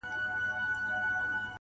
بیا خرڅ کړئ شاه شجاع یم پر پردیو.